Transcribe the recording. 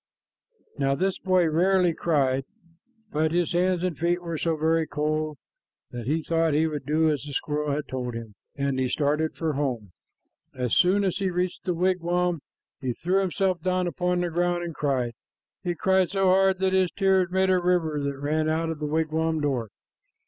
'" Now this boy rarely cried, but his hands and feet were so very cold that he thought he would do as the squirrel had told him, and he started for home. As soon as he reached the wigwam, he threw himself down upon the ground and cried. He cried so hard that his tears made a river that ran out of the wigwam door.